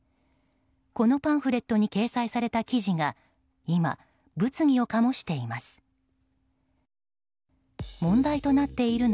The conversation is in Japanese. このパンフレットに掲載された記事が今、物議を醸しています。